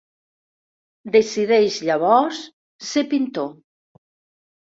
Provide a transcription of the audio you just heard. Decideix llavors ser pintor.